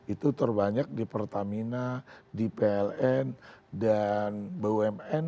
itu terbanyak di pertamina di pln dan bumn